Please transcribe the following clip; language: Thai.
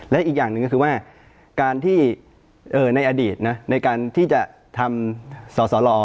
และอีกอย่างหนึ่งก็คือว่าการที่ในอดีตนะในการที่จะทำสอสล